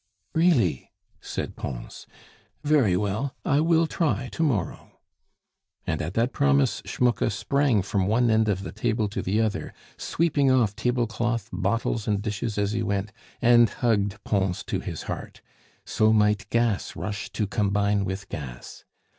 "Really?" said Pons. "Very well, I will try to morrow." And at that promise Schmucke sprang from one end of the table to the other, sweeping off tablecloth, bottles, and dishes as he went, and hugged Pons to his heart. So might gas rush to combine with gas.